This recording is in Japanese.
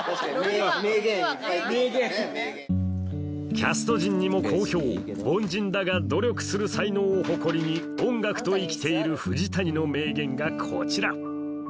キャスト陣にも好評凡人だが努力する才能を誇りに音楽と生きている藤谷の名言がこちら